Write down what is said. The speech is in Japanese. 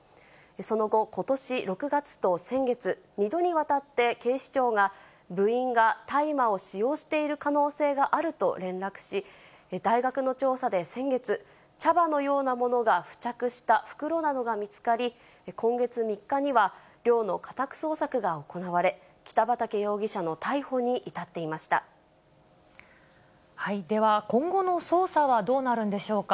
その後、ことし６月と先月、２度にわたって警視庁が、部員が大麻を使用している可能性があると連絡し、大学の調査で先月、茶葉のようなものが付着した袋などが見つかり、今月３日には寮の家宅捜索が行われ、北畠容疑者の逮捕に至っていでは、今後の捜査はどうなるんでしょうか。